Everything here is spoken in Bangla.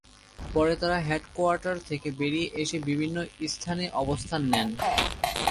পরে তারা হেডকোয়ার্টার থেকে বেরিয়ে এসে বিভিন্ন স্থানে অবস্থান নেন।